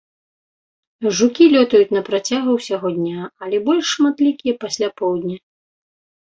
Жукі лётаюць на працягу ўсяго дня, але больш шматлікія пасля поўдня.